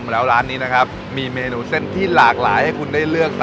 แล้วร้านนี้นะครับมีเมนูเส้นที่หลากหลายให้คุณได้เลือก